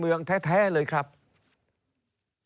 เริ่มตั้งแต่หาเสียงสมัครลง